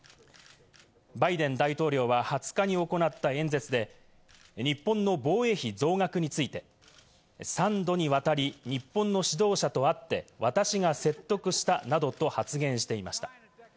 バイデン大統領は２０日に行った演説で、日本の防衛費増額について、３度にわたり日本の指導者と会って、私が説得したなどと発言していました。